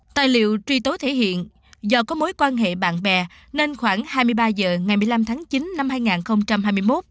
tài liệu truy tố thể hiện do có mối quan hệ bạn bè nên khoảng hai mươi ba h ngày một mươi năm tháng chín năm hai nghìn hai mươi một